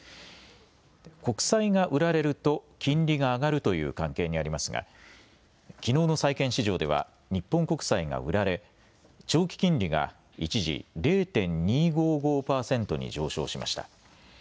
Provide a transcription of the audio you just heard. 国債が売られると金利が上がるという関係にありますがきのうの債券市場では日本国債が売られ長期金利が一時０．２５５％に上昇しました。